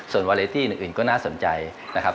ส่วนวาเลตี้อื่นก็น่าสนใจนะครับ